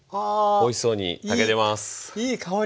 おいしそうに炊けてます！